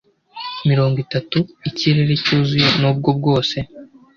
mirongo itatu ikirere cyuzuye nubwo bwose